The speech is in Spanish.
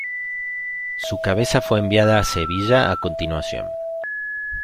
Su cabeza fue enviada a Sevilla a continuación.